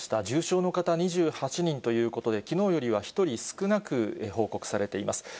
重症の方２８人ということで、きのうよりは１人少なく報告されています。